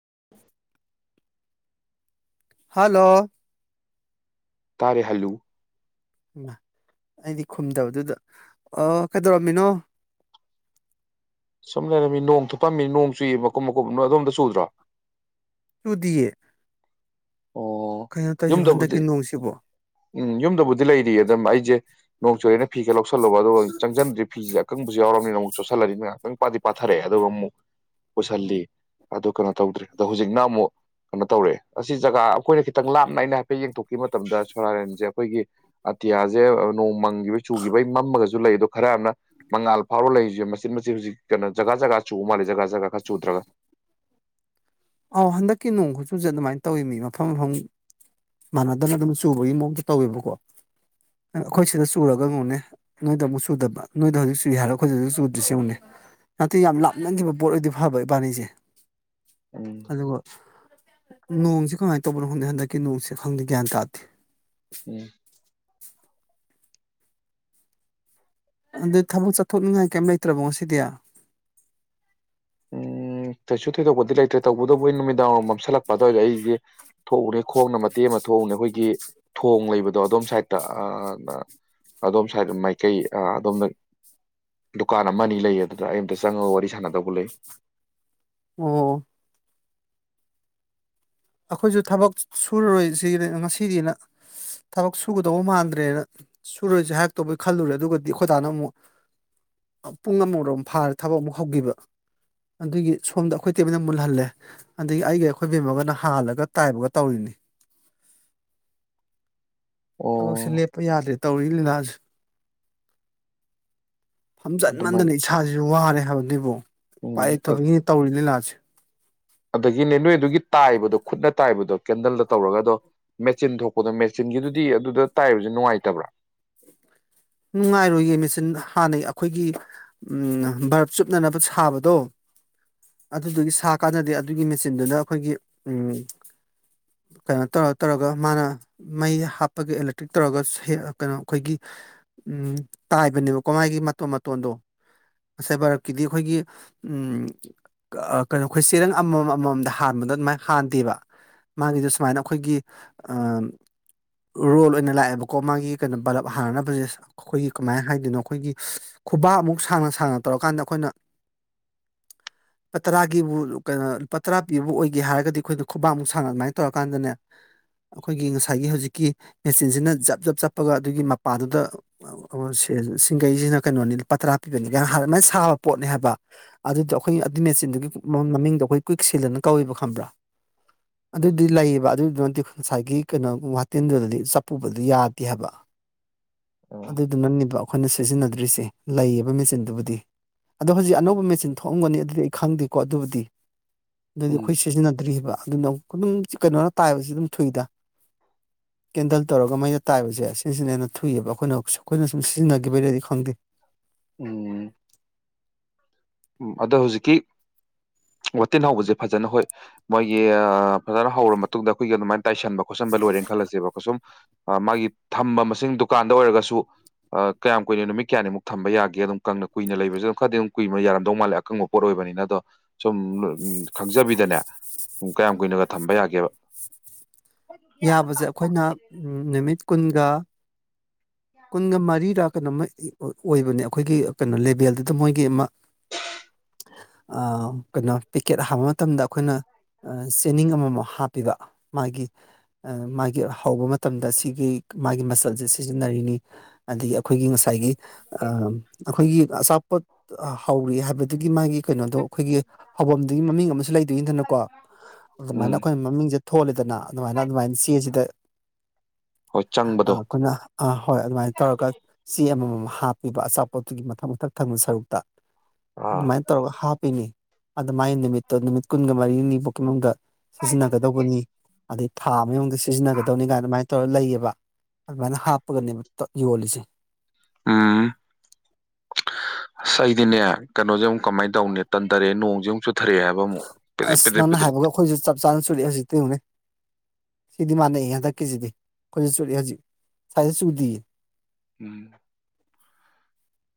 [inaudible] ꯍꯥꯜꯂꯣ ꯇꯥꯔꯦ ꯍꯜꯂꯨ ꯏꯃꯥ ꯑꯩꯗꯤ ꯈꯨꯝꯗꯕꯗꯨꯗ ꯑꯣ ꯀꯩꯗꯧꯔꯝꯃꯤꯅꯣ ꯁꯨꯝ ꯂꯩꯔꯝꯃꯤ ꯅꯣꯡ ꯊꯨꯞꯄꯝꯃꯤ ꯅꯣꯡ ꯆꯨꯏ ꯃꯀꯨꯞ ꯃꯀꯨꯞ ꯑꯗꯣꯝꯗ ꯆꯨꯗ꯭ꯔꯣ ꯆꯨꯗꯤꯌꯦ ꯑꯣ ꯀꯩꯅꯣ ꯇꯧꯔꯤꯁꯤꯕꯣ ꯌꯨꯝꯗꯕꯨꯗꯤ ꯍꯟꯗꯛꯀꯤ ꯅꯣꯡꯁꯤꯕꯣ ꯎꯝ ꯌꯨꯝꯗꯕꯨꯗꯤ ꯂꯩꯔꯤꯌꯦ ꯑꯗꯨꯝ ꯑꯩꯁꯦ ꯅꯣꯡ ꯆꯨꯨꯔꯦꯅ ꯐꯤꯒ ꯂꯧꯁꯜꯂꯨꯕ ꯑꯗꯨꯒꯥ ꯆꯪꯖꯟꯕꯗ ꯐꯤꯁꯦ ꯑꯀꯪꯕꯁꯨ ꯌꯥꯎꯔꯕꯅꯤ ꯅꯣꯡ ꯆꯣꯠꯁꯟꯂꯅꯤꯅꯥ ꯈꯤꯇꯪ ꯄꯥꯗꯤ ꯄꯥꯊꯔꯛꯑꯦ ꯑꯗꯨꯒ ꯑꯃꯨꯛ ꯄꯨꯁꯟꯂꯤ ꯑꯗꯣ ꯀꯩꯅꯣ ꯇꯧꯗ꯭ꯔꯦ ꯑꯗꯣ ꯍꯧꯖꯤꯛꯅ ꯑꯃꯨꯛ ꯀꯩꯅꯣ ꯇꯧꯔꯛꯑꯦ ꯑꯁ ꯁꯤ ꯖꯒꯥ ꯑꯩꯈꯣꯏꯅ ꯈꯤꯇꯪ ꯂꯥꯞꯅ ꯑꯩꯅ ꯍꯥꯏꯐꯦꯠ ꯌꯦꯡꯊꯣꯛꯈꯤꯕ ꯃꯇꯝꯗ ꯁꯣꯔꯥꯔꯦꯟꯁꯦ ꯑꯩꯈꯣꯏꯒꯤ ꯑꯇꯤꯌꯥꯁꯦ ꯅꯣꯡ ꯃꯪꯒꯤꯕꯩ ꯆꯨꯈꯤꯕꯩ ꯃꯝꯃꯒꯁꯨ ꯂꯩ ꯑꯗꯣ ꯈꯔ ꯑꯃꯅ ꯃꯉꯥꯜ ꯐꯥꯎꯔ ꯂꯩꯁꯦ ꯃꯆꯤ ꯃꯆꯤ ꯍꯧꯖꯤꯛ ꯀꯩꯅꯣ ꯖꯒꯥ ꯖꯒꯥ ꯆꯨꯕ ꯃꯥꯜꯂꯤ ꯖꯒꯥ ꯖꯒꯥ ꯈꯔ ꯆꯨꯗ꯭ꯔꯒ ꯑꯧ ꯍꯟꯗꯛꯀꯤ ꯅꯣꯡ ꯈꯨꯠꯆꯨꯁꯦ ꯑꯗꯨꯃꯥꯏꯅ ꯇꯧꯋꯦ ꯃꯤ ꯃꯐꯝ ꯃꯐꯝ ꯃꯥꯟꯅꯗꯅ ꯑꯗꯨꯝ ꯆꯨꯕꯒꯤ ꯃꯑꯣꯡꯁꯨ ꯇꯧꯋꯦꯕꯀꯣ ꯑꯩꯈꯣꯏ ꯁꯤꯗ ꯆꯨꯔꯒ ꯌꯦꯡꯉꯨꯅꯦ ꯅꯣꯏꯗ ꯑꯃꯨꯛ ꯆꯨꯗꯕ ꯅꯣꯏꯗ ꯍꯧꯖꯤꯛ ꯆꯨꯏ ꯍꯥꯏꯔ ꯑꯩꯈꯣꯏꯗ ꯍꯧꯖꯤꯛ ꯆꯨꯗ꯭ꯔꯤꯁꯤ ꯌꯦꯡꯉꯨꯅꯦ ꯅꯠꯇꯦ ꯌꯥꯝ ꯂꯥꯞꯅꯈꯤꯕ ꯄꯣꯠ ꯑꯣꯏꯗꯤ ꯐꯕ ꯏꯕꯥꯅꯤꯁꯦ ꯎꯝ ꯑꯗꯨꯒ ꯅꯣꯡꯁꯤ ꯀꯃꯥꯏꯅ ꯇꯧꯕꯅꯣ ꯈꯪꯗꯦ ꯍꯟꯗꯛꯀꯤ ꯅꯣꯡꯁꯦ ꯈꯪꯗꯦ ꯒ꯭ꯌꯥꯟ ꯇꯥꯗꯦ ꯎꯝ ꯑꯗꯨ ꯊꯕꯛ ꯆꯠꯊꯣꯛꯅꯤꯡꯉꯥꯏ ꯀꯩꯝ ꯂꯩꯇ꯭ꯔꯕꯣ ꯉꯁꯤꯗꯤ ꯎꯝ ꯀꯩꯁꯨ ꯊꯣꯏꯗꯣꯛꯄꯗꯤ ꯂꯩꯇ꯭ꯔꯦ ꯇꯧꯕꯇꯕꯨ ꯑꯩ ꯅꯨꯃꯤꯗꯥꯡ ꯃꯝꯁꯤꯜꯂꯛꯄꯗ ꯑꯗꯥꯏꯗ ꯑꯩꯒꯤ ꯊꯣꯛꯎꯅꯤ ꯈꯣꯡꯅ ꯃꯇꯦꯛ ꯑꯃ ꯊꯣꯛꯎꯅꯤ ꯑꯩꯈꯣꯏꯒꯤ ꯊꯣꯡ ꯂꯩꯕꯗꯣ ꯑꯗꯣꯝ ꯁꯥꯏꯠꯇ ꯑꯥ ꯑꯗꯣꯝ ꯁꯥꯏꯠꯗ ꯃꯥꯏꯀꯩ ꯑꯥ ꯑꯗꯣꯝꯅ ꯗꯨꯀꯥꯟ ꯑꯃ ꯑꯅꯤ ꯂꯩ ꯑꯗꯨꯗ ꯑꯩ ꯑꯃꯝꯇ ꯆꯪꯉꯥꯒ ꯋꯥꯔꯤ ꯁꯥꯟꯅꯗꯧꯕ ꯂꯩ ꯑꯣ ꯑꯩꯈꯣꯏꯁꯨ ꯊꯕꯛ ꯁꯨꯔꯔꯣꯏꯁꯤ ꯉꯁꯤꯗꯤꯅ ꯊꯕꯛ ꯁꯨꯒꯗꯧꯕ ꯃꯥꯟꯗ꯭ꯔꯦꯅ ꯁꯨꯔꯔꯣꯏꯖꯦ ꯍꯥꯏꯔꯛꯇꯧꯕꯩ ꯈꯜꯂꯨꯔꯦ ꯑꯗꯨꯒꯗꯤ ꯑꯩꯈꯣꯏ ꯗꯥꯅ ꯑꯃꯨꯛ ꯄꯨꯡ ꯑꯃꯔꯣꯝ ꯐꯥꯔꯦ ꯊꯕꯛ ꯑꯃꯨꯛ ꯍꯧꯒꯤꯕ ꯑꯗꯨꯒꯤ ꯁꯣꯝꯗ ꯑꯩꯈꯣꯏ ꯇꯦꯝꯃꯅ ꯃꯨꯜꯍꯜꯂꯦ ꯑꯗꯒꯤ ꯑꯩꯒꯥ ꯑꯩꯈꯣꯏ ꯕꯦꯝꯃꯒꯅ ꯍꯥꯥꯜꯂꯒ ꯇꯥꯏꯕꯒ ꯇꯧꯔꯤꯅꯤ ꯊꯕꯛꯁꯦ ꯑꯣ ꯂꯦꯞꯄꯨ ꯌꯥꯗ꯭ꯔꯦ ꯇꯧꯔꯤ ꯂꯤꯂꯥꯁꯦ ꯐꯝꯖꯟꯃꯟꯗꯅ ꯑꯗꯨꯃꯥꯏꯅ ꯏꯁꯥꯁꯤꯁꯨ ꯋꯥꯔꯦ ꯍꯥꯏꯕ ꯗꯤꯕꯣ ꯎꯝ ꯎꯄꯥꯏꯂꯩꯇꯕꯒꯤꯅꯤ ꯇꯧꯔꯤ ꯂꯤꯂꯥꯁꯦ ꯑꯗꯒꯤꯅꯦ ꯅꯣꯏ ꯑꯗꯨꯒꯤ ꯇꯥꯏꯕꯗꯣ ꯈꯨꯠꯅ ꯇꯥꯏꯕꯗꯣ ꯀꯦꯟꯗꯜꯗ ꯇꯧꯔꯒꯗꯣ ꯃꯦꯆꯤꯟ ꯊꯣꯛꯄꯗꯣ ꯃꯦꯆꯤꯟꯒꯤꯗꯨꯗꯤ ꯑꯗꯨꯗ ꯇꯥꯏꯕꯁꯦ ꯅꯨꯡꯉꯥꯏꯇꯕ꯭ꯔ ꯅꯨꯡꯉꯥꯏꯔꯣꯏꯌꯦ ꯃꯦꯆꯤꯟ ꯍꯥꯟꯅꯩ ꯑꯩꯈꯣꯏꯒꯤ ꯎꯝ ꯚꯥꯔꯞ ꯆꯨꯞꯅꯅꯕ ꯁꯥꯕꯗꯣ ꯑꯗꯨꯗꯨꯒꯤ ꯁꯥ ꯀꯥꯟꯗꯗꯤ ꯑꯗꯨꯒꯤ ꯃꯦꯆꯤꯟꯗꯨꯅ ꯑꯩꯈꯣꯏꯒꯤ ꯎꯝ ꯀꯩꯅꯣ ꯇꯧꯔ ꯇꯧꯔꯒ ꯃꯥꯅ ꯃꯩ ꯍꯥꯞꯄꯒ ꯑꯦꯂꯦꯛꯇ꯭ꯔꯤꯛ ꯇꯧꯔꯒ ꯀꯩꯅꯣ ꯑꯩꯈꯣꯏꯒꯤ ꯎꯝ ꯇꯥꯏꯕꯅꯦꯕꯀꯣ ꯃꯥꯥꯏꯒꯤ ꯃꯇꯣꯟ ꯃꯇꯣꯟꯗꯣ ꯉꯁꯥꯏ ꯚꯥꯔꯞꯀꯤꯗꯤ ꯑꯩꯈꯣꯏꯒꯤ ꯎꯝ ꯑꯥ ꯀꯩꯅꯣ ꯑꯩꯈꯣꯏ ꯆꯦꯔꯪ ꯑꯃꯃꯝ ꯑꯃꯃꯝꯗ ꯍꯥꯟꯕꯗꯣ ꯑꯗꯨꯃꯥꯏꯅ ꯍꯥꯟꯗꯦꯕ ꯃꯥꯒꯤꯗꯨ ꯁꯨꯃꯥꯏꯅ ꯑꯩꯈꯣꯏꯒꯤ ꯔꯣꯜ ꯑꯣꯏꯅ ꯂꯥꯛꯑꯦꯕꯀꯣ ꯃꯥꯒꯤ ꯀꯩꯅꯣ ꯕꯂꯞ ꯍꯥꯟꯅꯅꯕꯁꯦ ꯑꯩꯈꯣꯏꯒꯤ ꯀꯃꯥꯏꯅ ꯍꯥꯏꯗꯣꯏꯅꯣ ꯑꯩꯈꯣꯏꯒꯤ ꯈꯨꯕꯥꯛ ꯑꯃꯨꯛ ꯁꯥꯡꯅ ꯁꯥꯡꯅ ꯇꯧꯔꯀꯥꯟꯗ ꯑꯩꯈꯣꯏꯅ [unintelligible] ꯂꯨꯄꯥ ꯇꯔꯥꯒꯤꯕꯨ ꯀꯩꯅꯣ ꯂꯨꯄꯥ ꯇꯔꯥ ꯄꯤꯕꯕꯨ ꯑꯣꯏꯒꯦ ꯍꯥꯏꯔꯒꯗꯤ ꯑꯩꯈꯣꯏꯅ ꯈꯨꯕꯥꯃꯨꯛꯁꯥꯡ ꯑꯗꯨꯃꯥꯏꯅ ꯇꯧꯔꯀꯥꯟꯗꯅꯦ ꯑꯩꯈꯣꯏꯒꯤ ꯉꯁꯥꯏꯒꯤ ꯍꯧꯖꯤꯛꯀꯤ ꯃꯦꯆꯤꯟꯁꯤꯅ ꯖꯞ ꯖꯞ ꯆꯞꯄꯒ ꯑꯗꯨꯒꯤ ꯃꯄꯥꯥꯟꯗꯨꯗ ꯁꯤꯡꯒꯩꯁꯤꯅ ꯀꯩꯅꯣꯅꯤ ꯂꯨꯄꯥ ꯇꯔꯥ ꯄꯤꯕꯅꯤ ꯑꯗꯨꯃꯥꯢ ꯁꯥꯕ ꯄꯣꯠꯅꯤ ꯍꯥꯏꯕꯅꯤꯗ ꯑꯗꯨꯗꯣ ꯑꯩꯈꯣꯏ ꯑꯗꯨ ꯃꯦꯆꯤꯟꯗꯨꯒꯤ ꯃꯃꯤꯡꯗꯣ ꯑꯩꯈꯣꯏ ꯀꯨꯏꯛ ꯁꯤꯜꯗꯅ ꯀꯧꯋꯦꯕ ꯈꯪꯕ꯭ꯔꯥ ꯑꯗꯨꯗꯤ ꯂꯩꯌꯦꯕ ꯑꯗꯨꯒꯤꯗꯨ ꯅꯗꯤ ꯉꯁꯥꯏꯒꯤ ꯀꯩꯅꯣꯒꯨ ꯋꯥꯇꯝꯟꯗꯨꯗꯗꯤ ꯆꯞꯄꯨꯕꯗꯨ ꯌꯥꯗꯦ ꯍꯥꯏꯕ ꯎꯝ ꯑꯗꯨꯗꯨꯅꯅꯦꯕ ꯑꯩꯈꯣꯏꯅ ꯁꯤꯖꯤꯟꯅꯗ꯭ꯔꯤꯁꯦ ꯂꯩꯌꯦꯕ ꯃꯦꯆꯤꯟꯗꯨꯕꯨꯗꯤ ꯑꯗꯣ ꯍꯧꯖꯤꯛ ꯑꯅꯧꯕ ꯃꯦꯆꯤꯟ ꯊꯣꯛꯑꯝꯒꯅꯤ ꯑꯗꯨꯗꯤ ꯑꯩ ꯈꯪꯗꯦꯀꯣ ꯑꯗꯨꯕꯨꯗꯤ ꯑꯗꯨꯗꯤ ꯑꯩꯈꯣꯏ ꯁꯤꯖꯤꯟꯅꯗ꯭ꯔꯤꯕ ꯑꯗꯨꯅꯝ ꯑꯗꯨꯝ ꯀꯩꯅꯣꯅ ꯇꯥꯏꯕꯁꯨ ꯑꯗꯨꯝ ꯊꯨꯏꯗ ꯀꯦꯟꯗꯜ ꯇꯧꯔꯒ ꯃꯩꯅ ꯇꯥꯏꯕꯁꯦ ꯁꯤꯁꯤꯅ ꯍꯦꯟꯅ ꯊꯨꯏꯌꯦꯕ ꯑꯩꯈꯣꯏꯅ ꯑꯩꯈꯣꯢꯅ ꯁꯨꯝ ꯑꯩꯈꯣꯏꯅ ꯁꯨꯝ ꯁꯤꯖꯤꯟꯅꯈꯤꯕꯅꯗꯤ ꯈꯪꯗꯦ ꯎꯝ ꯎꯝ ꯑꯗꯣ ꯍꯧꯖꯤꯛꯀꯤ ꯋꯥꯇꯤꯟ ꯍꯧꯕꯁꯦ ꯐꯖꯅ ꯍꯣꯏ ꯃꯣꯏꯒꯤ ꯐꯖꯅ ꯍꯧꯔ ꯃꯇꯨꯡꯗ ꯑꯩꯈꯣꯏꯒꯤ ꯑꯗꯨꯃꯥꯏꯅ ꯇꯥꯏꯁꯟꯕ ꯈꯣꯠꯆꯟꯕ ꯂꯣꯏꯔꯦꯅ ꯈꯜꯂꯁꯦꯕꯀ ꯁꯨꯝ ꯃꯥꯒꯤ ꯊꯝꯕ ꯃꯁꯤꯡ ꯗꯨꯀꯥꯟꯗ ꯑꯣꯏꯔꯒꯁꯨ ꯀꯌꯥꯝ ꯀꯨꯏꯅꯣ ꯅꯨꯃꯤ ꯀꯌꯥꯃꯨꯛ ꯊꯝꯕ ꯌꯥꯒꯦ ꯑꯗꯨꯝ ꯀꯪꯅ ꯀꯨꯏꯅ ꯂꯩꯕꯁꯨ ꯑꯗꯨ ꯈꯗꯤ ꯑꯗꯨꯝ ꯀꯨꯏꯕ ꯌꯥꯔꯝ ꯗꯧ ꯃꯥꯜꯂꯦ ꯑꯀꯪꯕ ꯄꯣꯠ ꯑꯣꯏꯕꯅꯤꯅ ꯑꯗꯣ ꯁꯨꯝ ꯈꯪꯖꯕꯤꯗꯅꯦ ꯀꯌꯥꯝ ꯀꯨꯏꯅꯒ ꯊꯝꯕ ꯌꯥꯒꯦꯕ ꯌꯥꯕꯁꯦ ꯑꯩꯈꯣꯏꯅ ꯅꯨꯃꯤꯠ ꯀꯨꯟꯒ ꯀꯨꯟꯒ ꯃꯔꯤꯗ ꯀꯩꯅꯣꯃ ꯑꯣꯏꯕꯅꯦ ꯑꯩꯈꯣꯏꯒꯤ ꯀꯩꯅꯣ ꯂꯦꯕꯦꯜꯗꯨꯗ ꯃꯣꯏꯒꯤ ꯑꯃ ꯀꯩꯅꯣ ꯄꯦꯛꯀꯦꯠ ꯍꯥꯞꯄ ꯃꯇꯝꯗ ꯑꯩꯈꯣꯏꯅ ꯆꯦꯅꯤꯡ ꯑꯃꯃꯨꯛ ꯑꯃꯨꯛ ꯍꯥꯞꯄꯤꯕ ꯃꯥꯒꯤ ꯃꯥꯒꯤ ꯍꯧꯕ ꯃꯇꯝꯗ ꯁꯤꯒꯤ ꯃꯥꯒꯤ ꯃꯆꯜꯁꯦ ꯁꯤꯖꯤꯟꯅꯔꯤꯅꯤ ꯑꯗꯒꯤ ꯑꯩꯈꯣꯏꯒꯤ ꯉꯁꯥꯏ ꯀꯥꯏꯒꯤ ꯑꯩꯈꯣꯏꯒꯤ ꯑꯆꯥꯄꯣꯠ ꯍꯧꯔꯤ ꯍꯥꯏꯕꯗꯨꯒꯤ ꯃꯥꯒꯤ ꯀꯩꯅꯣꯗꯣ ꯑꯩꯈꯣꯏꯒꯤ ꯍꯧꯐꯝꯗꯨꯒꯤ ꯃꯃꯤꯡ ꯑꯃꯁꯨ ꯂꯩꯗꯣꯏꯅꯤꯗꯅꯀꯣ ꯑꯗꯨꯃꯥꯏꯅ ꯎꯝ ꯑꯩꯈꯣꯏꯅ ꯃꯃꯤꯡꯖꯦ ꯊꯣꯜꯂꯤꯗꯅ ꯑꯗꯨꯃꯥꯏꯅ ꯑꯗꯨꯃꯥꯏꯅ ꯆꯦꯁꯤꯗ ꯍꯣꯏ ꯆꯪꯕꯗꯣ ꯑꯩꯈꯣꯏꯅ ꯑꯥ ꯍꯣꯏ ꯑꯗꯨꯃꯥꯏꯅ ꯇꯧꯔꯒ ꯆꯦ ꯑꯃꯃꯝ ꯍꯥꯞꯄꯤꯕ ꯑꯆꯥꯄꯣꯠꯇꯨꯒꯤ ꯃꯊꯛ ꯃꯊꯛ ꯊꯪꯕ ꯁꯔꯨꯛꯇ ꯑꯥ ꯑꯗꯨꯃꯥꯏꯅ ꯇꯧꯔꯒ ꯍꯥꯞꯄꯤꯅꯤ ꯑꯗꯨ ꯃꯥꯏ ꯅꯨꯃꯤꯠꯇꯣ ꯅꯨꯃꯤꯠ ꯀꯨꯟꯒ ꯃꯔꯤꯅꯤꯐꯥꯎꯒꯤ ꯃꯅꯨꯡꯗ ꯁꯤꯖꯤꯟꯅꯒꯗꯧꯕꯅꯤ ꯑꯗꯩ ꯊꯥ ꯃꯌꯨꯝꯗ ꯁꯤꯖꯤꯟꯅꯒꯗꯧꯅꯤ ꯀꯥꯏꯅ ꯑꯗꯨꯃꯥꯏꯅ ꯇꯧꯔꯒ ꯂꯩꯌꯦꯕ ꯑꯗꯨꯃꯥꯏꯅ ꯍꯥꯞꯄꯒꯅꯦꯕ ꯄꯞ ꯌꯣꯜꯂꯤꯁꯦ ꯎꯝ ꯑꯁ ꯑꯩꯗꯤꯅꯦ ꯀꯩꯅꯣꯁꯦ ꯑꯃꯨꯛ ꯀꯃꯥꯏꯅ ꯇꯧꯅꯦ ꯇꯟꯊꯔꯛꯑꯦ ꯅꯣꯡꯁꯦ ꯑꯃꯨꯛ ꯆꯨꯊꯔꯛꯑꯦ ꯍꯥꯏꯕ ꯑꯃꯨꯛ ꯄꯤꯗ꯭ꯔꯤꯛ ꯑꯁ ꯄꯤꯗ꯭ꯔꯤꯛ ꯅꯪꯅ ꯄꯤꯗ꯭ꯔꯤꯛ ꯍꯥꯏꯕꯒ ꯑꯩꯈꯣꯏꯁꯨ ꯆꯞ ꯆꯥꯅ ꯆꯨꯔꯛꯑꯦ ꯍꯧꯖꯤꯛꯇ ꯌꯤꯡꯎꯅꯦ ꯁꯤꯗꯤ ꯃꯥꯟꯅꯩ ꯍꯟꯗꯛꯀꯤꯁꯤꯗꯤ ꯑꯩꯈꯣꯏꯅ ꯆꯨꯔꯦ ꯍꯧꯖꯤꯛ ꯁ꯭ꯋꯥꯏꯗ ꯆꯨꯗꯔꯤꯌꯦ ꯎꯝ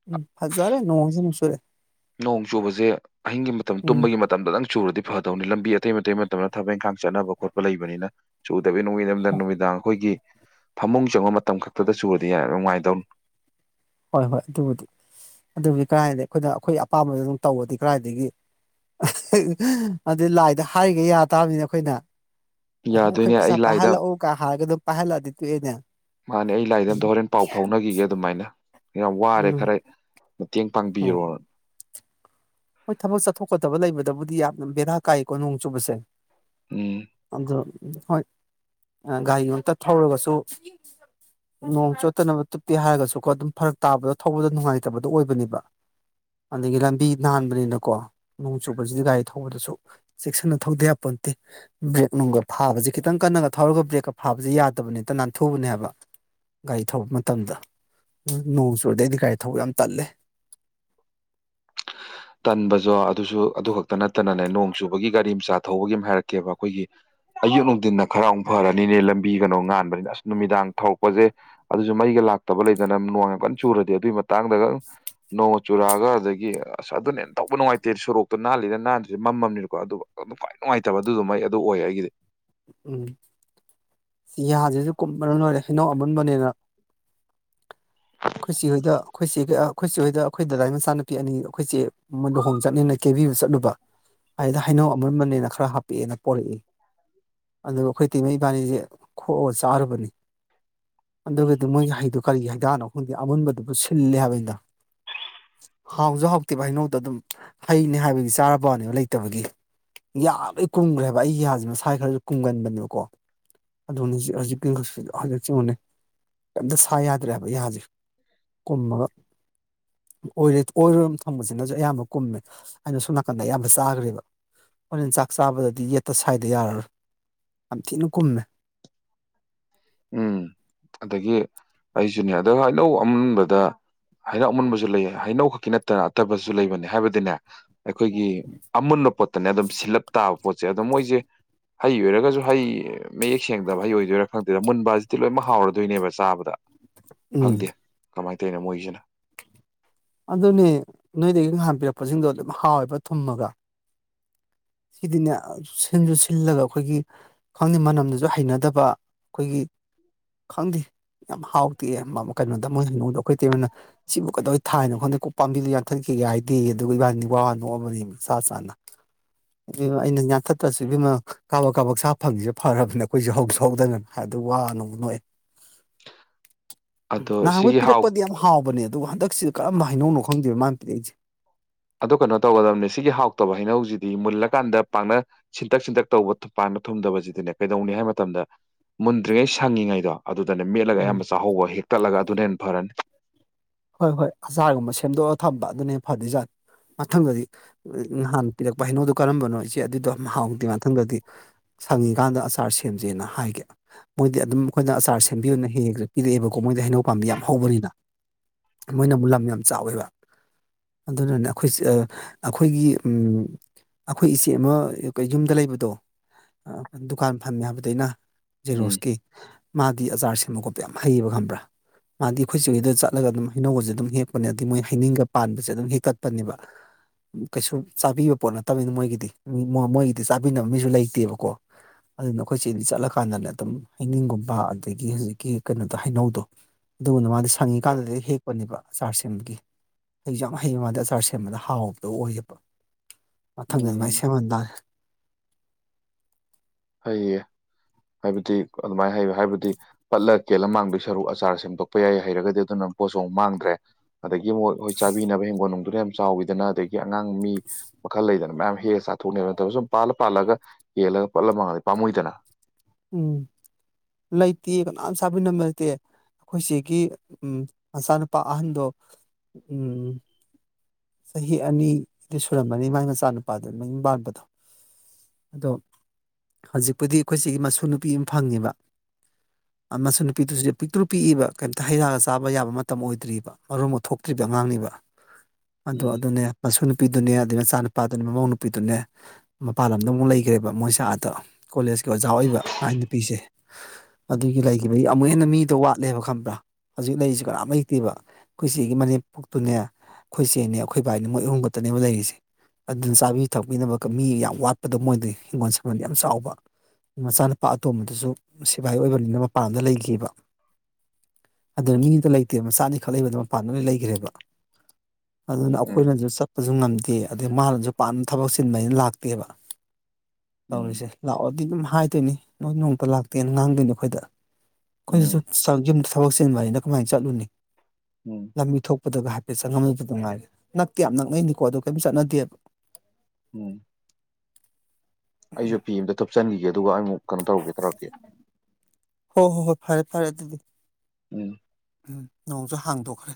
ꯎꯝ ꯐꯥꯖꯥꯔꯦ ꯅꯣꯡꯁꯦ ꯑꯃꯨꯛ ꯆꯨꯔꯛꯑꯦ ꯅꯣꯡ ꯆꯨꯕꯁꯦ ꯑꯍꯤꯡꯒꯤ ꯃꯇꯝ ꯎꯝ ꯇꯨꯝꯕꯒꯤ ꯃꯇꯝꯗꯪ ꯆꯨꯔꯗꯤ ꯐꯗꯧꯅꯤ ꯂꯝꯕꯤ ꯑꯇꯩ ꯑꯇꯩ ꯃꯇꯝꯗ ꯊꯕꯛ ꯏꯪꯈꯥꯡ ꯆꯠꯅꯕ ꯈꯣꯠꯄ ꯂꯩꯕꯅꯤꯅ ꯆꯨꯗꯕꯤ ꯅꯣꯡꯃꯤꯗꯪ ꯅꯨꯃꯤꯗꯥꯡ ꯑꯩꯈꯣꯏꯒꯤ ꯐꯃꯨꯡ ꯆꯪꯕ ꯃꯇꯝ ꯈꯛꯇꯗ ꯆꯨꯔꯗꯤ ꯌꯥ ꯅꯨꯡꯉꯥꯏꯗꯧꯅꯤ ꯍꯣꯏ ꯍꯣꯏ ꯑꯗꯨꯕꯨꯗꯤ ꯑꯗꯨꯕꯨꯗꯤ ꯀꯗꯥꯥꯏꯗꯒꯤ ꯑꯩꯈꯣꯏꯅ ꯑꯩꯈꯣꯏ ꯑꯄꯥꯝꯕꯗ ꯑꯗꯨ ꯇꯧꯕꯗꯤ ꯀꯗꯥꯏꯗꯒꯤ ꯑꯗꯨꯩ ꯂꯥꯏꯗ ꯍꯥꯏꯔꯤꯒ ꯌꯥ ꯇꯥꯕꯅꯤꯅ ꯑꯩꯈꯣꯏꯅ ꯑꯩꯈꯣꯏ ꯌꯥꯗꯣꯏꯅꯦ ꯑꯩ ꯄꯩꯁꯥ ꯂꯥꯏꯗ ꯄꯥꯏꯍꯜꯂꯛꯎꯒ ꯍꯥꯏꯔꯒ ꯑꯗꯨꯝ ꯄꯥꯏꯍꯜꯂꯛꯑꯗꯤ ꯇꯣꯛꯑꯦꯅꯦ ꯃꯥꯅꯦ ꯑꯩ ꯂꯥꯏꯗ ꯑꯝꯇ ꯍꯣꯔꯦꯟ ꯄꯥꯎ ꯐꯥꯎꯅꯈꯤꯒꯦ ꯑꯗꯨꯃꯥꯏꯅ ꯌꯥꯝ ꯋꯥꯔꯦ ꯎꯝ ꯈꯔ ꯃꯇꯦꯡ ꯍꯣꯏ ꯄꯥꯡꯕꯤꯔꯣ ꯍꯣꯏ ꯊꯕꯛ ꯆꯠꯊꯣꯛꯀꯗꯕ ꯂꯩꯕꯗꯕꯨꯗꯤ ꯌꯥꯝꯅ ꯕꯦꯔꯥ ꯀꯥꯏꯀꯣ ꯅꯣꯡ ꯆꯨꯕꯁꯦ ꯎꯝ ꯑ ꯍꯣꯏ ꯒꯥꯔꯤ ꯑꯝꯇ ꯊꯧꯔꯒꯁꯨ ꯅꯣꯡ ꯆꯣꯠꯇꯅꯕ ꯇꯨꯞꯄꯦ ꯍꯥꯏꯔꯒꯁꯨꯀꯣ ꯑꯗꯨꯝ ꯐꯔꯛ ꯇꯥꯕꯗꯣ ꯊꯧꯕꯗ ꯅꯨꯡꯉꯥꯏꯇꯕꯗꯣ ꯑꯣꯏꯕꯅꯦꯕ ꯑꯗꯒꯤ ꯂꯝꯕꯤ ꯅꯥꯟꯕꯅꯤꯅꯀꯣ ꯅꯣꯡ ꯆꯨꯕꯁꯤꯗꯤ ꯒꯥꯔꯤ ꯊꯧꯕꯗꯁꯨ ꯆꯦꯛꯁꯤꯟꯅ ꯊꯧꯗ ꯌꯥꯄꯣꯟꯇꯦ ꯕ꯭ꯔꯦꯛ ꯅꯨꯡꯒ ꯐꯥꯕꯁꯤ ꯈꯤꯇꯪ ꯀꯟꯅꯒ ꯊꯧꯔꯒ ꯕ꯭ꯔꯦꯛꯀ ꯐꯥꯕꯁꯤ ꯌꯥꯗꯕꯅꯤ ꯍꯦꯛꯇ ꯅꯥꯟꯊꯨꯕꯅꯦ ꯍꯥꯏꯕ ꯒꯥꯔꯤ ꯊꯧꯕ ꯃꯇꯝꯗ ꯅꯣꯡ ꯆꯨꯨꯔꯗꯤ ꯑꯩꯗꯤ ꯒꯥꯔꯤ ꯊꯧꯕ ꯌꯥꯝ ꯇꯜꯂꯦ [inaudible] ꯇꯟꯕꯖꯣ ꯑꯗꯨꯁꯨ ꯑꯗꯨ ꯈꯛꯇ ꯅꯠꯇꯅꯅꯦ ꯅꯣꯡ ꯆꯨꯕꯒꯤ ꯒꯥꯔꯤ ꯃꯆꯥ ꯊꯧꯕꯒꯤ ꯑꯃ ꯍꯥꯏꯔꯛꯀꯦꯕ ꯑꯩꯈꯣꯏꯒꯤ ꯑꯌꯨꯛ ꯅꯨꯡꯊꯤꯟꯅ ꯈꯔ ꯑꯃꯨꯛ ꯐꯔꯅꯤꯅꯦ ꯂꯝꯕꯤ ꯀꯩꯅꯣ ꯉꯥꯟꯕꯅꯤꯅ ꯑꯁ ꯅꯨꯃꯤꯗꯥꯡ ꯊꯧꯔꯛꯄꯁꯦ ꯑꯗꯨꯁꯨ ꯃꯩꯒ ꯂꯥꯛꯇꯕ ꯂꯩꯗꯅ ꯅꯣꯡ ꯌꯥꯝ ꯀꯟ ꯆꯨꯔꯗꯤ ꯑꯗꯨꯏ ꯃꯇꯥꯡꯗꯒ ꯅꯣꯡ ꯆꯨꯔꯛꯑꯒ ꯑꯗꯒꯤ ꯑꯁ ꯑꯗꯨꯅ ꯍꯦꯟ ꯊꯧꯕ ꯅꯨꯡꯉꯥꯏꯇꯦ ꯁꯣꯔꯣꯛꯇꯣ ꯅꯥꯜꯂꯤꯔ ꯅꯥꯟꯗ꯭ꯔꯤꯔ ꯃꯝꯃꯃꯤꯅꯀꯣ ꯑꯗꯨꯝ ꯈ꯭ꯋꯥꯏ ꯅꯨꯡꯉꯥꯏꯇꯦ [unintelligible] ꯑꯗꯨꯗꯨꯃ ꯑꯩ ꯑꯗꯨ ꯑꯣꯏꯌꯦ ꯑꯩꯒꯤꯗꯤ ꯎꯝ ꯌꯥꯥꯖꯤꯁꯨ ꯀꯨꯝꯕꯅ ꯂꯣꯏꯔꯦ ꯍꯩꯅꯧ ꯑꯃꯨꯟꯕꯅꯦꯕ [inaudible] ꯑꯩꯈꯣꯏ ꯆꯦ ꯍꯣꯏꯗ ꯑꯩꯈꯣꯏ ꯆꯦ [unintelligible] ꯑꯩꯈꯣꯏ ꯆꯦ ꯍꯣꯏꯗ ꯑꯩꯈꯣꯏ ꯆꯦ ꯍꯣꯏꯗ ꯑꯩꯈꯣꯏ ꯗꯗꯥꯒꯤ ꯃꯆꯥꯅꯨꯄꯤ ꯑꯅꯤꯗꯣ ꯑꯩꯈꯣꯏ ꯆꯦ ꯃꯣꯏ ꯂꯨꯍꯣꯡ ꯆꯠꯃꯤꯟꯅꯩ ꯀꯦꯕꯤꯕ ꯆꯠꯂꯨꯕ ꯑꯗꯨꯗ ꯍꯩꯅꯧ ꯑꯃꯨꯟꯕꯅꯦꯅ ꯈꯔ ꯍꯥꯞꯄꯛꯑꯦꯅ ꯄꯣꯔꯛꯑꯦ [inaudible] ꯑꯗꯨꯒ ꯑꯩꯈꯣꯏ ꯏꯇꯩꯃꯩ ꯏꯕꯥꯅꯤꯁꯦ ꯈꯣꯛꯑꯒ ꯆꯥꯔꯨꯕꯅꯤ ꯑꯗꯨꯒꯗꯤ ꯃꯣꯏꯒꯤ ꯍꯩꯗꯣ ꯀꯔꯤ ꯍꯩꯗꯥꯅꯣ ꯈꯪꯗꯦ ꯑꯃꯨꯟꯕꯗꯨꯕꯨ ꯁꯤꯜꯂꯦ ꯍꯥꯏꯕꯅꯤꯗ ꯍꯥꯎꯖꯨ ꯍꯥꯎꯇꯦꯕ ꯍꯩꯅꯧꯗꯣ ꯑꯗꯨꯝ ꯍꯩꯅꯦ ꯍꯥꯏꯕꯒꯤ ꯆꯥꯔꯕꯋꯅꯦꯕ ꯂꯩꯇꯕꯒꯤ ꯌꯥꯒ ꯂꯣꯏ ꯀꯨꯝꯈ꯭ꯔꯦ ꯍꯥꯏꯕ ꯑꯩ ꯌꯥꯁꯤ ꯃꯁꯥꯏ ꯈꯔꯁꯨ ꯀꯨꯝꯒꯟꯕꯅꯦꯀꯣ ꯑꯗꯨꯅꯦ [unintelligible] ꯆꯤꯡꯕꯅꯦ ꯀꯩꯝꯇ ꯁꯥꯏ ꯌꯥꯗ꯭ꯔꯦꯕ ꯌꯥꯁꯦ ꯀꯨꯝꯃꯒ [unintelligible] ꯑꯣꯏꯔꯣꯝ ꯊꯪꯕꯁꯤꯅꯁꯨ ꯑꯌꯥꯝꯕ ꯀꯨꯝꯃꯦ ꯑꯩꯅ ꯁꯣꯝ ꯅꯥꯀꯟꯗ ꯑꯌꯥꯝꯕ ꯆꯥꯈ꯭ꯔꯦꯕ ꯍꯣꯔꯦꯟ ꯆꯥꯛ ꯆꯥꯕꯗꯗꯤ ꯌꯦꯠꯇ ꯁꯥꯏꯗ ꯌꯥꯔꯔꯣꯏ ꯌꯥꯝ ꯊꯤꯅ ꯀꯨꯝꯃꯦ ꯎꯝ ꯑꯗꯒꯤ ꯑꯩꯁꯨꯅꯦ ꯑꯗ ꯍꯩꯅꯧ ꯑꯃꯨꯟꯕꯗ ꯍꯩꯅꯧ ꯑꯃꯨꯟꯕꯁꯨ ꯂꯩꯗꯅ ꯍꯩꯅꯧ ꯈꯛꯀꯤ ꯅꯠꯇꯅ ꯑꯇꯣꯞꯄꯁꯨ ꯂꯩꯕꯅꯤ ꯍꯥꯏꯕꯗꯤꯅꯦ ꯑꯩꯈꯣꯏꯒꯤ ꯑꯃꯨꯟꯕ ꯄꯣꯠꯇꯅꯦ ꯑꯗꯨꯝ ꯁꯤꯜꯂꯞ ꯇꯥꯕ ꯄꯣꯠꯁꯦ ꯑꯗꯣ ꯃꯣꯏꯁꯦ ꯍꯩ ꯑꯣꯏꯔꯒꯁꯨ ꯍꯩ ꯃꯌꯦꯛ ꯁꯦꯡꯗꯕ ꯍꯩ ꯑꯣꯏꯗꯣꯏꯔꯥ ꯈꯪ [unintelligible] ꯃꯨꯟꯕ ꯍꯥꯏꯖꯤꯗꯤ ꯂꯣꯏꯅꯃꯛ ꯍꯥꯎꯔꯗꯣꯏꯅꯦꯕ ꯆꯥꯕꯗ ꯎꯝ ꯈꯪꯗꯦ ꯀꯃꯥꯏꯅ ꯇꯧꯔꯤꯅꯣ ꯃꯣꯏꯖꯤꯅ ꯑꯗꯨꯅꯦ ꯅꯣꯏꯗꯒꯤ ꯉꯍꯥꯟ ꯄꯤꯔꯛꯄꯁꯤꯡꯗꯣ ꯑꯗꯨꯝ ꯍꯥꯎꯋꯦꯕ ꯊꯨꯝꯃꯒ ꯁꯤꯗꯤꯅꯦ ꯁꯤꯟꯁꯨ ꯁꯤꯜꯂꯒ ꯑꯩꯈꯣꯏꯒꯤ ꯈꯪꯗꯦ ꯃꯅꯝꯗꯨꯁꯨ ꯍꯩꯅꯗꯕ ꯑꯩꯈꯣꯏꯒꯤ ꯈꯪꯗꯦ ꯌꯥꯝ ꯍꯥꯎꯇꯦ ꯀꯩꯅꯣꯗ ꯃꯣꯏ ꯍꯩꯅꯧꯗꯣ ꯑꯩꯈꯣꯏ ꯏꯇꯩꯃꯅ ꯁꯤꯕꯨ ꯀꯩꯗꯧ ꯊꯥꯏꯅꯣ ꯈꯪꯗꯦ ꯄꯥꯝꯕꯤꯗꯨꯣ ꯌꯥꯟꯊꯠꯈꯤꯒꯦ ꯍꯥꯏꯗꯦ ꯑꯗꯨꯒ ꯏꯕꯥꯅꯤ ꯋꯥ ꯋꯥ ꯅꯣꯛꯑꯕꯅꯦꯃꯤ ꯆꯥ ꯆꯥꯅ ꯑꯩꯅ ꯌꯥꯟꯊꯠꯇ꯭ꯔꯁꯨ ꯏꯕꯦꯝꯃ ꯀꯥꯕꯛ ꯀꯥꯕꯛ ꯁꯥ ꯐꯪꯉꯤꯁꯦ ꯐꯔꯕꯅꯤ ꯑꯩꯈꯣꯏꯖꯨ ꯍꯧꯖꯨ ꯍꯧꯗꯅ ꯍꯥꯏꯕ [unintelligible] ꯑꯗꯣ ꯅꯍꯥꯟꯈꯩ ꯁꯤꯒꯤ ꯍꯥꯎ ꯄꯤꯔꯛꯄꯗꯤ ꯌꯥꯝ ꯍꯥꯎꯕꯅꯦ ꯑꯗꯨꯒ ꯍꯟꯗꯛ ꯁꯤꯅ ꯀꯔꯝꯕ ꯍꯩꯅꯧꯅꯣ ꯈꯪꯗꯦꯕ ꯃꯥꯅ ꯄꯤꯔꯛ ꯏꯁꯦ ꯑꯗꯨ ꯀꯩꯅꯣ ꯇꯧꯒꯗꯕꯅꯦ ꯁꯤꯒꯤ ꯍꯥꯎꯇꯕ ꯍꯩꯅꯧꯁꯤꯗꯤ ꯃꯨꯜꯂꯀꯥꯟꯗ ꯄꯥꯛꯅ ꯁꯤꯟꯇꯛ ꯁꯤꯟꯇꯛ ꯇꯧꯕ ꯄꯥꯟꯕ ꯊꯨꯝꯗꯕꯁꯤꯗꯤꯅꯦ ꯀꯩꯗꯧꯅꯤ ꯍꯥꯏꯕ ꯃꯇꯝꯗ ꯃꯨꯟꯗ꯭ꯔꯤꯉꯩ ꯁꯪꯉꯤꯉꯩꯗꯣ ꯑꯗꯨꯗꯅꯦ ꯃꯦꯠꯂꯒ ꯎꯝ ꯑꯌꯥꯝꯕ ꯆꯥꯍꯧꯕ ꯍꯦꯛꯇꯠꯂꯒ ꯑꯗꯨꯅ ꯍꯦꯟ ꯐꯔꯅꯤ ꯍꯣꯏ ꯍꯣꯏ ꯑꯆꯥꯥꯔꯒꯨꯝꯕ ꯁꯦꯝꯗꯣꯛꯑꯒ ꯊꯝꯕ ꯑꯗꯨꯅ ꯐꯗꯣꯏꯖꯥꯠꯅꯤ ꯃꯊꯪꯗꯗꯤ ꯅꯍꯥꯟ ꯄꯤꯔꯛꯄ ꯍꯩꯅꯣꯗꯣ ꯀꯔꯝꯕꯅꯣ ꯏꯆꯦ ꯑꯗꯨꯗꯣ ꯍꯥꯎꯗꯦ ꯃꯊꯪꯗꯗꯤ ꯁꯪꯉꯤꯀꯥꯟꯗ ꯑꯆꯥꯔ ꯁꯦꯝꯖꯦꯅ ꯍꯥꯏꯒꯦ ꯃꯣꯏꯗꯤ ꯑꯗꯨꯝ ꯑꯩꯈꯣꯏꯗ ꯑꯆꯥꯔ ꯁꯦꯝꯕꯤꯌꯣꯅ ꯍꯦꯛ ꯍꯦꯛ ꯄꯤꯔꯛꯑꯦꯕꯀꯣ ꯃꯣꯏꯗꯤ ꯍꯩꯅꯧ ꯄꯥꯝꯕꯤ ꯌꯥꯝ ꯍꯧꯕꯅꯤꯅ ꯃꯣꯏꯅ ꯑꯃꯨꯛ ꯂꯝ ꯌꯥꯝ ꯆꯥꯎꯋꯦꯕ ꯑꯗꯨꯅꯅꯦ ꯑꯩꯈꯣꯏꯁꯦ ꯑꯥ ꯑꯩꯈꯣꯏꯒꯤ ꯎꯝ ꯑꯩꯈꯣꯏ ꯏꯆꯦ ꯑꯃ ꯌꯨꯝꯗ ꯂꯩꯕꯗꯣ ꯗꯨꯀꯥꯟ ꯐꯝꯃꯦ ꯍꯥꯏꯕꯗꯣ ꯑꯩꯅ ꯎꯝ ꯖꯦꯔꫭꯁꯀꯤ ꯃꯥꯗꯤ ꯑꯆꯥꯔ ꯁꯦꯝꯕ ꯈꯣꯠꯄ ꯌꯥꯝ ꯍꯩꯌꯦꯕ ꯈꯪꯕ꯭ꯔꯥ ꯃꯥꯗꯤ ꯑꯩꯈꯣꯏ ꯆꯦ ꯍꯣꯏꯗ ꯆꯠꯂꯒ ꯑꯗꯨꯝ ꯍꯩꯅꯧꯀꯁꯦ ꯑꯗꯨꯝ ꯍꯦꯛꯄꯅꯦ ꯑꯗꯩ ꯃꯣꯏ ꯍꯩꯅꯤꯡꯒ ꯄꯥꯟꯕꯁꯦ ꯑꯗꯨꯝ ꯍꯦꯛꯇꯠꯄꯅꯦꯕ ꯀꯩꯁꯨ ꯆꯥꯕꯤꯕ ꯄꯣꯠ ꯅꯠꯇꯕꯅꯤꯅ ꯃꯣꯏꯒꯤꯗꯤ ꯃꯣꯏꯒꯤꯗꯤ ꯆꯥꯕꯤꯅꯕ ꯃꯤꯁꯨ ꯂꯩꯇꯦꯕꯀꯣ ꯑꯗꯨꯅ ꯑꯩꯈꯣꯏ ꯆꯦꯗꯤ ꯆꯠꯂꯀꯥꯟꯗꯅꯦ ꯑꯗꯨꯝ ꯍꯩꯅꯤꯡꯒꯨꯝꯕ ꯑꯗꯒꯤ ꯍꯨꯖꯤꯛꯀꯤ ꯀꯩꯅꯣꯗꯣ ꯍꯩꯅꯧꯗꯣ ꯑꯗꯨꯒꯨꯝꯅ ꯃꯥꯗꯤ ꯁꯪꯉꯤꯀꯥꯟꯗꯗꯤ ꯍꯦꯛꯄꯅꯦꯕ ꯑꯆꯥꯥꯔ ꯁꯦꯝꯕꯒꯤ ꯍꯩꯖꯨ ꯌꯥꯝ ꯍꯩ ꯃꯥꯗꯤ ꯑꯆꯥꯔ ꯁꯦꯝꯕꯗꯣ ꯍꯥꯎꯕꯗꯣ ꯑꯣꯏꯌꯦꯕ ꯃꯊꯪꯗ ꯎꯝ ꯑꯗꯨꯃꯥꯏꯅ ꯁꯦꯝꯍꯟꯇꯔꯦ ꯐꯩꯌꯦ ꯍꯥꯏꯕꯗꯤ ꯑꯗꯨꯃꯥꯏ ꯍꯩꯕ ꯍꯥꯏꯕꯗꯤ ꯄꯠꯂ ꯀꯦꯜꯂ ꯃꯥꯡꯗꯣꯏ ꯁꯔꯨꯛ ꯑꯆꯥꯔ ꯁꯦꯡꯗꯣꯛꯄ ꯌꯥꯏ ꯍꯩꯔꯒꯗꯤ ꯑꯗꯨꯅ ꯄꯣꯠꯁꯨ ꯑꯃꯨꯛ ꯃꯥꯡꯗ꯭ꯔꯦ ꯑꯗꯥꯒꯤ ꯃꯨꯛ ꯍꯣꯏ ꯆꯥꯕꯤꯅꯕ ꯍꯤꯡꯒꯣꯟꯅꯨꯡꯗꯨꯗ ꯌꯥꯝ ꯆꯥꯎꯋꯤꯗꯅ ꯑꯗꯒꯤ ꯑꯉꯥꯡ ꯃꯤ ꯃꯈꯜ ꯂꯩꯗꯅ ꯃꯌꯥꯝ ꯍꯦꯜꯑꯥ ꯆꯥꯊꯣꯛꯅꯦꯕ ꯅꯠꯇꯕ ꯁꯨꯝ ꯄꯥꯜꯂ-ꯄꯥꯜꯂꯒ ꯀꯦꯜꯂꯒ ꯄꯠꯂ ꯃꯥꯡꯂꯗꯤ ꯄꯥꯝꯃꯨꯏꯗꯅ ꯎꯝ ꯂꯩꯇꯤꯌꯦ ꯀꯅꯥꯝ ꯁꯥꯕꯤꯅꯕ ꯂꯩꯇꯦ ꯑꯈꯣꯏꯆꯦꯒꯤ ꯎꯝ ꯃꯆꯥꯅꯨꯄꯥ ꯑꯍꯥꯟꯗꯣ ꯎꯝ ꯆꯍꯤ ꯑꯅꯤ-ꯗꯤ ꯁꯨꯔꯝꯃꯅꯤ ꯃꯥꯏ ꯃꯆꯥꯅꯨꯄꯥꯗꯨ ꯃꯌꯨꯝ ꯄꯥꯟꯕꯗꯣ ꯑꯗꯣ ꯍꯧꯖꯤꯛꯄꯨꯗꯤ ꯑꯈꯣꯏꯆꯦꯒꯤ ꯃꯁꯨ ꯅꯨꯄꯤ ꯑꯃ ꯐꯪꯑꯦꯕ ꯑ ꯃꯁꯨꯅꯨꯄꯤꯗꯨꯖꯨ ꯄꯤꯛꯇ꯭ꯔꯨ ꯄꯤꯛꯏꯕ ꯀꯩꯝꯇ ꯍꯩꯔꯥꯒ ꯆꯥꯕ ꯌꯥꯕ ꯃꯇꯝ ꯑꯣꯏꯗ꯭ꯔꯤꯕ ꯃꯔꯣꯟꯕꯨ ꯊꯣꯛꯇ꯭ꯔꯤꯕ ꯑꯉꯥꯡꯅꯤꯕ ꯑꯗꯨ ꯎꯝ ꯑꯗꯨꯅꯦ ꯃꯁꯨ ꯅꯨꯄꯤꯗꯨꯅꯦ ꯑꯗꯨ ꯃꯆꯥ ꯅꯨꯄꯥꯗꯨꯅꯦ ꯃꯃꯧ ꯅꯨꯄꯤꯗꯨꯅꯦ ꯃꯄꯥꯜꯂꯝꯗ ꯑꯃꯨꯛ ꯂꯩꯒ꯭ꯔꯦꯕ ꯃꯣꯏꯁꯦ ꯑꯥꯗ ꯀꯣꯂꯦꯖꯀꯤ ꯑꯣꯖꯥ ꯑꯣꯏꯕ ꯃꯥꯏ ꯅꯨꯄꯤꯁꯦ ꯑꯗꯨꯒꯤ ꯂꯩꯒꯤꯕꯩ ꯑꯃꯨꯛ ꯍꯦꯟꯅ ꯃꯤꯗꯣ ꯋꯥꯠꯂꯦꯕ ꯈꯪꯕ꯭ꯔꯥ ꯍꯧꯖꯤꯛ ꯂꯩꯔꯤꯁꯤ ꯀꯅꯥꯝ ꯂꯩꯇꯦꯕ ꯑꯈꯣꯏꯆꯦꯒꯤ ꯃꯅꯦꯝꯄꯣꯛꯇꯨꯅꯦ ꯈꯣꯏ ꯆꯦꯅꯦ ꯑꯈꯣꯏ ꯕꯥꯏꯅꯦ ꯃꯣꯏ ꯑꯍꯨꯝꯈꯠꯇꯅꯦꯕ ꯂꯩꯔꯤꯁꯦ ꯑꯗꯨ ꯆꯥꯕꯤ ꯊꯛꯄꯤꯅꯕ ꯃꯤ ꯌꯥꯝ ꯋꯥꯠꯄꯗꯣ ꯃꯣꯏꯗꯤ ꯍꯤꯡꯒꯣꯟ ꯁꯝꯕꯟꯗꯤ ꯌꯥꯝ ꯆꯥꯎꯕ ꯃꯆꯥꯅꯨꯄꯥ ꯑꯇꯣꯝꯕꯗꯨꯁꯨ ꯁꯤꯐꯥꯏ ꯑꯣꯏꯕꯅꯤꯅ ꯃꯄꯥꯟꯗ ꯂꯩꯒꯤꯕ ꯑꯗꯨ ꯃꯤ ꯑꯝꯇ ꯂꯩꯇꯦ ꯃꯆꯥꯅꯤꯈꯛ ꯂꯩꯕꯗꯣ ꯃꯄꯥꯟꯗ ꯂꫭꯏ ꯂꯩꯒ꯭ꯔꯦꯕ ꯑꯗꯨꯅ ꯎꯝ ꯑꯈꯣꯏꯅꯖꯨ ꯆꯠꯄꯖꯨ ꯉꯝꯗꯦ ꯑꯗꯩ ꯃꯥꯅꯁꯨ ꯄꯥꯛ ꯊꯕꯛ ꯆꯤꯟꯕꯅꯤꯅ ꯂꯥꯛꯇꯦꯕ [inaudible] ꯎꯝ ꯇꯧꯔꯤꯁꯦ ꯂꯥꯛꯑꯣꯗꯤ ꯑꯗꯨꯝ ꯍꯥꯏꯗꯣꯏꯅꯤ ꯅꯣꯏ ꯅꯣꯡꯇ ꯂꯥꯛꯇꯦꯅ ꯉꯥꯡꯗꯣꯏꯅꯤ ꯑꯈꯣꯏꯗ ꯈꯣꯏꯖꯨ ꯎꯝ ꯆꯠ ꯌꯨꯝꯗ ꯊꯕꯛ ꯆꯤꯟꯕꯅꯤꯅ ꯀꯃꯥꯏꯅ ꯆꯠꯂꯨꯅꯤ ꯎꯝ꯫ ꯂꯝꯕꯤ ꯊꯣꯛꯄꯗꯒ ꯍꯥꯏꯐꯦꯠ ꯆꯪꯉꯝꯃꯨꯕꯗꯨ ꯉꯥꯏꯔꯦ ꯅꯛꯇꯤ ꯌꯥꯝ ꯅꯛꯅꯩꯅꯤꯀꯣ ꯑꯗꯣ ꯀꯩꯝ ꯆꯠꯅꯗꯦꯕ ꯎꯝ꯫ ꯑꯩꯖꯨ ꯐꯤ ꯑꯝꯇ ꯊꯨꯞꯆꯟꯒꯤꯒꯦ ꯑꯗꯨꯒ ꯑꯩ ꯑꯃꯨꯛ ꯀꯩꯅꯣ ꯇꯧꯔꯒꯦ ꯇꯧꯔꯛꯀꯦ ꯍꯣ ꯍꯣ ꯍꫭ ꯐꯔꯦ-ꯐꯔꯦ ꯑꯗꯨꯗꯤ ꯎꯝ꯫ ꯎꯝ ꯅꯣꯡꯖꯨ ꯍꯥꯡꯗꯣꯛꯈ꯭ꯔꯦ